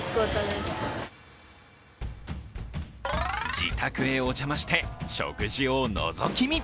自宅へお邪魔して、食事をのぞき見。